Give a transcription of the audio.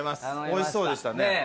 おいしそうでしたね。